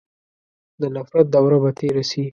د نفرت دوره به تېره سي.